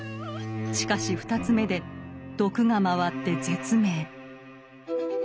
しかし２つ目で毒がまわって絶命。